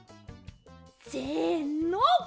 せの！